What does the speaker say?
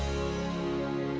ditampilkan isi the series empat